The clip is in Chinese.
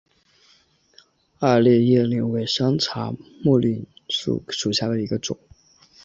二列叶柃为山茶科柃木属下的一个种。